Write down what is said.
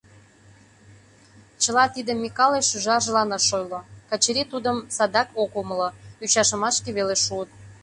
Чыла тидым Микале шӱжаржылан ыш ойло: Качырий тудым садак ок умыло, ӱчашымашке веле шуыт.